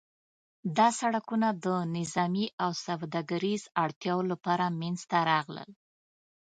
دا سړکونه د نظامي او سوداګریز اړتیاوو لپاره منځته راغلل.